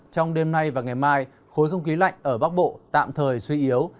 trong đêm nay và ngày mai khối không khí lạnh ở bắc bộ tạm thời suy yếu